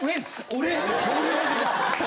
俺！？